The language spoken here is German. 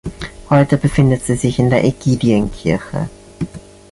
Heute befindet sie sich in der Aegidienkirche.